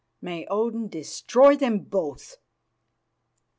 May Odin destroy them both!"